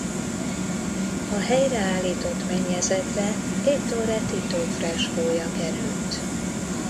A helyreállított mennyezetre Ettore Tito freskója került.